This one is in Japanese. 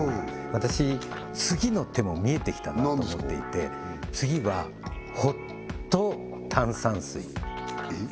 私次の手も見えてきたなと思っていて次はホット炭酸水えっ！？